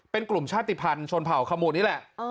เป็นกลุ่มชาติภัณฑ์ชนเผ่าขมูลนี่แหละ